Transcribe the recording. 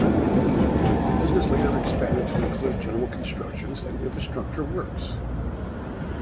The business later expanded to include general constructions and infrastructure works.